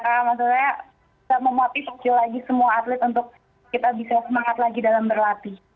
karena maksud saya saya mau motivasi lagi semua atlet untuk kita bisa semangat lagi dalam berlatih